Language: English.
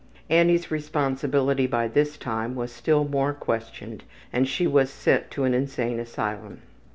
Annie's responsibility by this time was still more questioned and she was sent to an insane asylum.